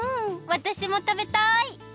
わたしもたべたい！